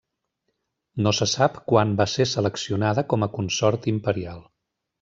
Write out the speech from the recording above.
No se sap quan va ser seleccionada com a consort imperial.